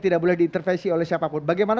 tidak boleh diintervensi oleh siapapun bagaimana